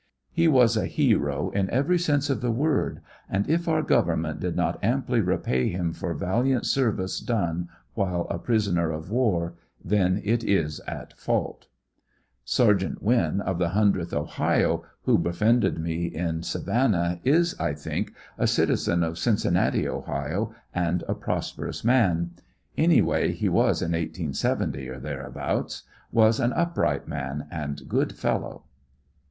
He was a hero in every sense of the word, and if our government did not amply repay him for val iant service done while a prisoner of war, then it is at fault. Sergt. Winn of the 100th Ohio, who befriended me at Savannah, WHAT BECAME OF THE BOYS. 163 is, I think, a citizen of Cincinnati, Ohio, and a prosperous maw. Any way, he was in 1870 or thereabouts. Was an upright man ami good fellow.